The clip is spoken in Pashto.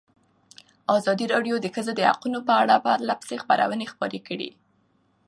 ازادي راډیو د د ښځو حقونه په اړه پرله پسې خبرونه خپاره کړي.